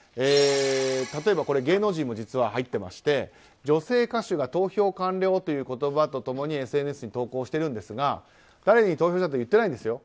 例えば、芸能人も入っていまして女性歌手が投票完了という言葉と共にＳＮＳに投稿しているんですが誰に投票したとは言ってないんです。